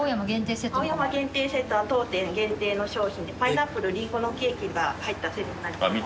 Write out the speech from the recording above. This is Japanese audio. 青山限定セットは当店限定の商品でパイナップルりんごのケーキが入ったセット。